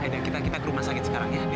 akhirnya kita ke rumah sakit sekarang ya